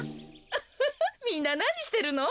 ウフフみんななにしてるの？